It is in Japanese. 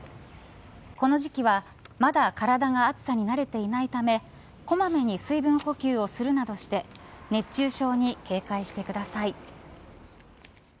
今の時期はまだ体が暑さに慣れていないため小まめに水分補給をするなどして熱中症に警戒してください。